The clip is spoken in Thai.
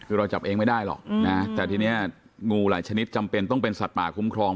คือเราจับเองไม่ได้หรอกนะแต่ทีนี้งูหลายชนิดจำเป็นต้องเป็นสัตว์ป่าคุ้มครอง